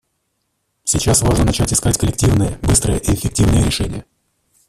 Сейчас важно начать искать коллективные, быстрые и эффективные решения.